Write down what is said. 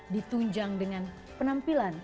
di cnn indonesia